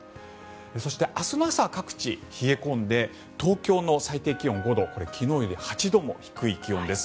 そして、明日の朝は各地冷え込んで東京の最低気温、５度これ昨日より８度も低い気温です。